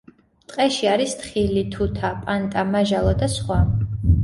ტყეში არის თხილი, თუთა, პანტა, მაჟალო და სხვა.